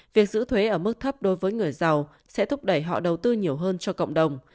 việc giữ thuế ở mức thấp đối với người giàu sẽ thúc đẩy họ đầu tư nhiều hơn cho cộng đồng